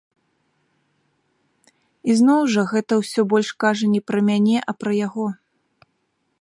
Ізноў жа, гэта ўсё больш кажа не пра мяне, а пра яго.